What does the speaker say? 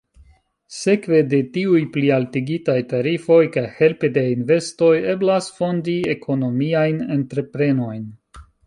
Sekve de tiuj plialtigitaj tarifoj kaj helpe de investoj eblas fondi ekonomiajn entreprenojn.